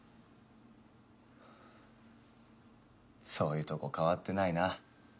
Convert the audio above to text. そういうとこ変わってないな。